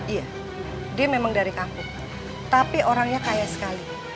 iya dia memang dari kapuk tapi orangnya kaya sekali